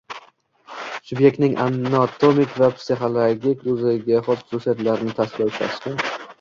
Subyektning anatomik va fiziologik o‘ziga xos xususiyatlarini tavsiflovchi shaxsga